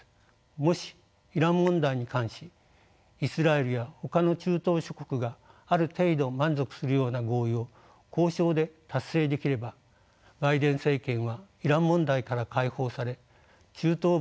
もしイラン問題に関しイスラエルやほかの中東諸国がある程度満足するような合意を交渉で達成できればバイデン政権はイラン問題から解放され中東離れを加速することができます。